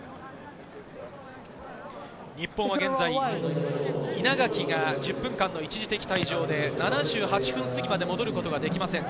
日本を現在、稲垣が１０分間の一時的退場で７８分過ぎまで戻ることができません。